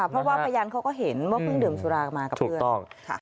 เพราะว่าพยานเขาก็เห็นว่าเพิ่งดื่มสุรากันมากับเพื่อน